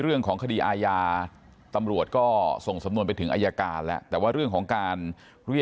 ครอบครัวไม่ได้อาฆาตแต่มองว่ามันช้าเกินไปแล้วที่จะมาแสดงความรู้สึกในตอนนี้